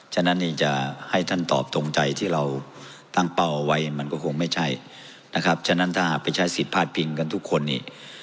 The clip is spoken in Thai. ฉะนั้นนี่จะให้ท่านตอบตรงใจที่เราตั้งเป้าเอาไว้มันก็คงไม่ใช่นะครับฉะนั้นถ้าหากไปใช้สิทธิพาดพิงกันทุกคนนี่